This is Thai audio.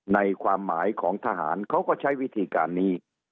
ในความหมายของทหารเขาก็ใช้วิธีการนี้